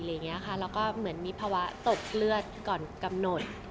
แล้วก็เหมือนมีภาวะตกเลือดก่อนกำหนด